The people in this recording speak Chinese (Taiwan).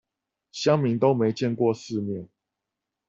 鄉民都沒見過世面